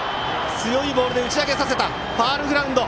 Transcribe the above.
強いボールで打ち上げさせたファウルグラウンド。